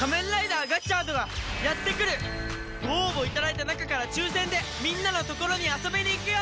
ご応募いただいた中から抽選でみんなのところに遊びに行くよ！